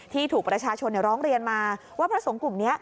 ที่ถูกประชาชนร้องเรียนมาว่าพระสงฆ์กลุ่มนี้